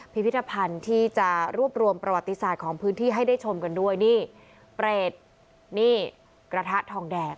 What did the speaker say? พิพิธภัณฑ์ที่จะรวบรวมประวัติศาสตร์ของพื้นที่ให้ได้ชมกันด้วยนี่เปรตนี่กระทะทองแดง